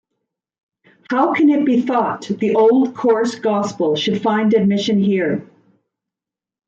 How can it be thought the old coarse gospel should find admission here?